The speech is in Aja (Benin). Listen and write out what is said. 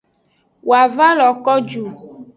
Woa va lo ko ju.